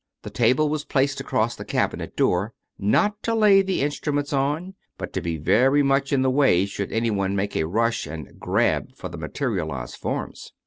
The table was placed across the cabinet door, not to lay the instruments on, but to be very much in the way should anyone make a rush and " grab " for the materialized forms.